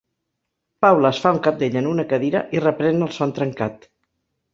Paula es fa un cabdell en una cadira i reprèn el son trencat.